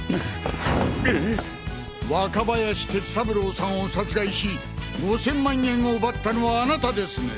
若林哲三郎さんを殺害し５０００万円を奪ったのはあなたですね？